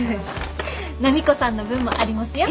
波子さんの分もありますよ。